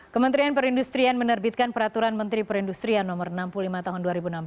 kementerian perindustrian menerbitkan peraturan menteri perindustrian no enam puluh lima tahun dua ribu enam belas